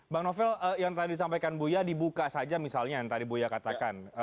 bang novel yang tadi disampaikan buya dibuka saja misalnya yang tadi buya katakan